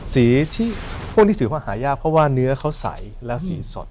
สีที่พวกนี้ถือว่าหายากเพราะว่าเนื้อเขาใสและสีสด